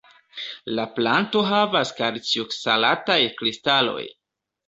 La planto havas kalcioksalataj-kristaloj.